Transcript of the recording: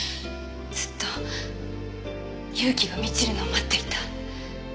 ずっと勇気が満ちるのを待っていた。